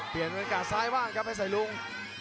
เปลี่ยนเป็นการซ้ายบ้างครับให้ใส่ลุง